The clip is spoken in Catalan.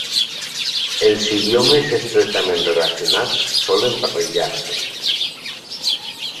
Els idiomes estretament relacionats solen barrejar-se.